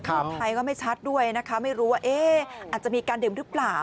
พวกไทยก็ไม่ชัดด้วยไม่รู้ว่าอาจจะมีการดื่มหรือเปล่า